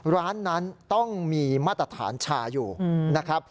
ร้านนั้นต้องมีมาตรฐานชาอยู่นะครับ